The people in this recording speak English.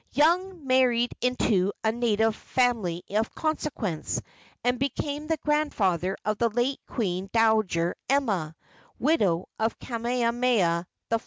Young married into a native family of consequence, and became the grandfather of the late queen dowager Emma, widow of Kamehameha IV.